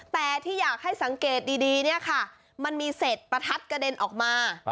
แต่ที่อยากให้สังเกณฑ์ดีมันมีเสร็จประทัศน์กระเด็นออกมา